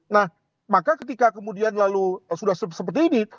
nah maka ketika kemudian lalu sudah seperti ini